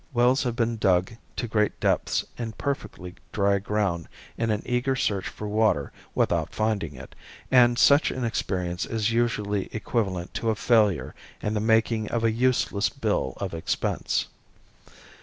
Wells have been dug to great depths in perfectly dry ground in an eager search for water without finding it, and such an experience is usually equivalent to a failure and the making of a useless bill of expense.